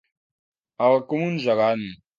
Alt com un gegant.